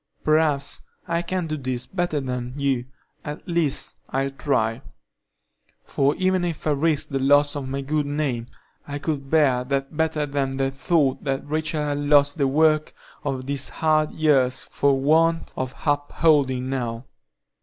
Perhaps I can do this better than you,—at least, I'll try; for even if I risk the loss of my good name, I could bear that better than the thought that Rachel had lost the work of these hard years for want of upholding now.